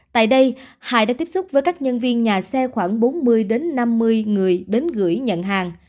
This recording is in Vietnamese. tại đây hải đã tiếp xúc với các nhân viên nhà xe khoảng bốn mươi năm mươi người đến gửi nhận hàng